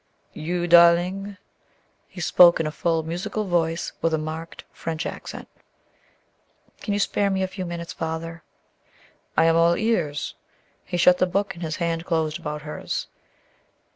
"You, darling?" He spoke in a full, musical voice with a marked French accent. "Can you spare me a few minutes, Father?" "I am all ears;" he shut the book, and his hand closed about hers.